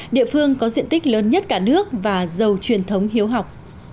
địa phương có diện tích lớn nhất cả nước và giàu truyền thống hiếu học